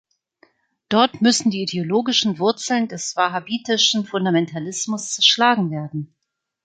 Dort müssen die ideologischen Wurzeln des wahhabitischen Fundamentalismus zerschlagen werden.